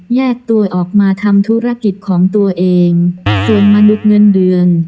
แยกตัวออกมาทำธุรกิจของตัวเองส่วนมนุษย์เงินเดือน